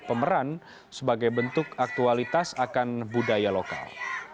dan para pemeran sebagai bentuk aktualitas akan budaya lokal